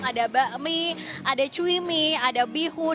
ada bakmi ada cuimi ada bihun